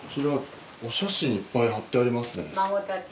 お写真いっぱい貼ってありますね。